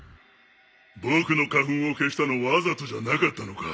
僕の花粉を消したのわざとじゃなかったのか。